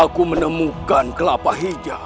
beres algo baru